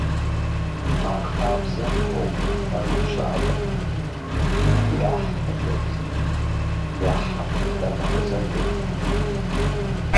А хабзэм пэувыф къару щыӏэкъым — яхь хъыджэбзыр, яхьам къыздамыгъэзэжым…